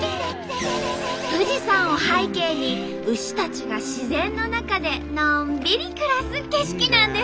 富士山を背景に牛たちが自然の中でのんびり暮らす景色なんです。